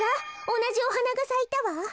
おなじおはながさいたわ。